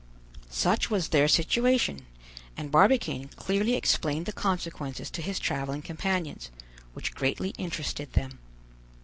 Such was their situation; and Barbicane clearly explained the consequences to his traveling companions, which greatly interested them.